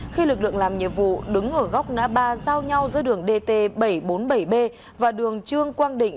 khi lực lượng làm nhiệm vụ đứng ở góc ngã ba giao nhau giữa đường dt bảy trăm bốn mươi bảy b và đường trương quang định